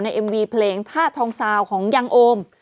เอ็มวีเพลงธาตุทองซาวของยังโอม